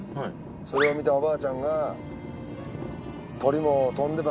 それを見たおばあちゃんが。